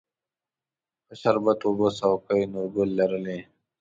ښه شربت اوبه څوکۍ، نورګل لرلې